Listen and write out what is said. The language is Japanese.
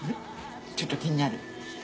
ちょっと気になる？